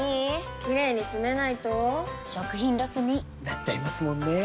キレイにつめないと食品ロスに．．．なっちゃいますもんねー！